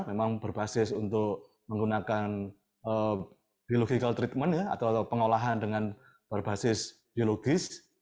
memang berbasis untuk menggunakan biological treatment atau pengolahan dengan berbasis biologis